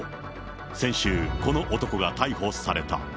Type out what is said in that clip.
先週、この男が逮捕された。